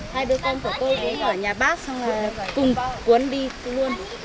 hai đứa con của tôi cũng ở nhà bác xong là cùng cuốn đi luôn